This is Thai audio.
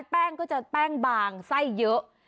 แป้งก็จะแป้งบางไส้เยอะ